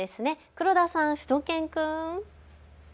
黒田さん、しゅと犬くん。